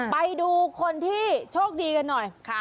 ไปดูคนที่โชคดีกันหน่อย